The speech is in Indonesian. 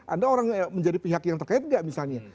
anda orang menjadi pihak yang terkait nggak misalnya